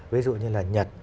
ví dụ như là nhật